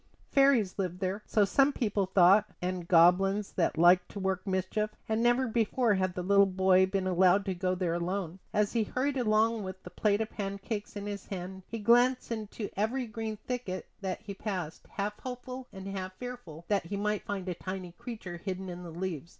Fairies lived there, so some people thought, and goblins that liked to work mischief; and never before had the little boy been allowed to go there alone. As he hurried along with the plate of pancakes in his hand he glanced into every green thicket that he passed, half hopeful, and half fearful that he might find a tiny creature hidden in the leaves.